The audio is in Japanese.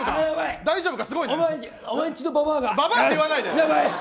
大丈夫か？